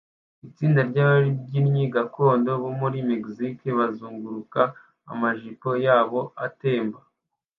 Itsinda ryababyinnyi gakondo bo muri Mexique bazunguruka amajipo yabo atemba